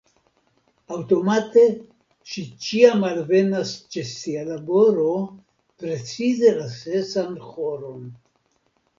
Aŭtomate ŝi ĉiam alvenas ĉe sia laboro, precize la sesan horon.